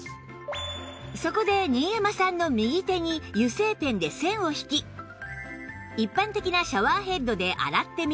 そこで新山さんの右手に油性ペンで線を引き一般的なシャワーヘッドで洗ってみると